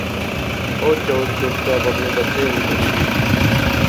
او چول چپ اپنے بچے ہنی ٹری گئی